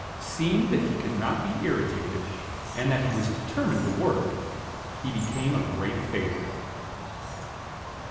Seeing that he could not be irritated, and that he was determined to work, he became a great favorite.